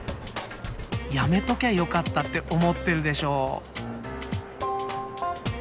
やめときゃよかったって思ってるでしょ。